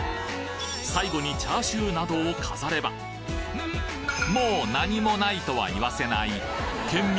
最後にチャーシューなどを飾ればもう何もないとは言わせない県民